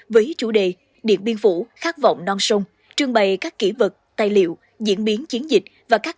với chủ đề điện biên phủ khát vọng non sông trưng bày các kỹ vật tài liệu diễn biến chiến dịch và các